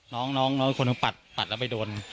น้องอีกคนก็ปัดแล้วไปโดน